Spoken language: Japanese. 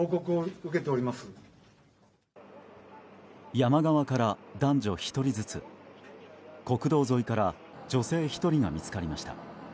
山側から男女１人ずつ国道沿いから女性１人が見つかりました。